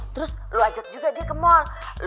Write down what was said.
terus lu ajak juga dia ke mall